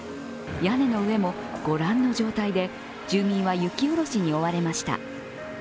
屋根の上も御覧の状態で住民は雪下ろしに追われました。